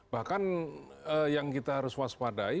bahkan yang kita harus waspadai